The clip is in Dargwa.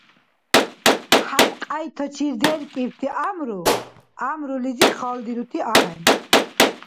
ХӀябкьяйтачир деркӀибти гӀямру — гӀямрулизи халдирути ахӀен.